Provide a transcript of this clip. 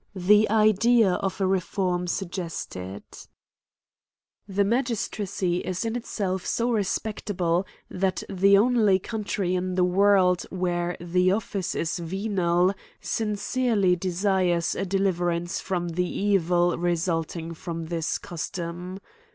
llie idea of a reform suggested, THE Magistracy is in itself so respectable, that the only country in the world where the office is venal, sincerely desires a deliverance from the evil resulting from this custom.